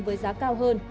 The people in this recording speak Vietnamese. với giá cao hơn